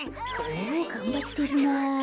おがんばってるなあ。